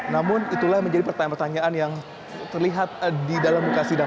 namun itulah yang menjadi pertanyaan pertanyaan yang terlihat di dalam muka sidang